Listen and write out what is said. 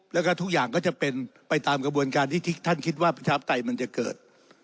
แล้วก็ทุกอย่างก็จะเป็นไปตามกระบวนการที่ท่านคิดว่าประชาปไตยมันจะเกิด